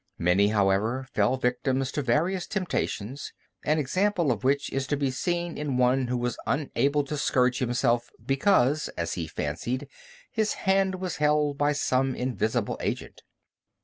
Many, however, fell victims to various temptations, an example of which is to be seen in one who was unable to scourge himself, because, as he fancied, his hand was held by some invisible agent.